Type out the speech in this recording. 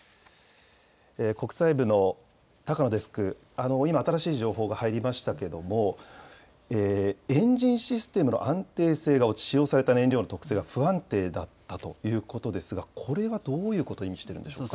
国際部の高野デスク、今、新しい情報が入りましたけども、エンジンシステムの安定性が落ち、使用された燃料の特性が不安定だったということですが、これはどういうことを意味しているんでしょうか。